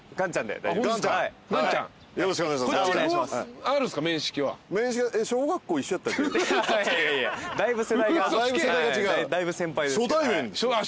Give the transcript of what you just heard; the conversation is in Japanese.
だいぶ先輩ですけど。